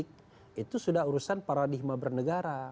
kalau sudah urusan politik itu sudah urusan paradigma bernegara